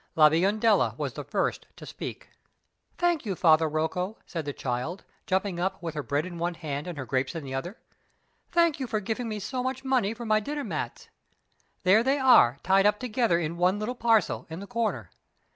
La Biondella was the first to speak. "Thank you, Father Rocco," said the child, jumping up, with her bread in one hand and her grapes in the other "thank you for giving me so much money for my dinner mats. There they are, tied up together in one little parcel, in the corner.